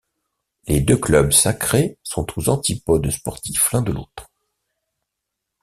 Les deux clubs sacrés sont aux antipodes sportifs l’un de l’autre.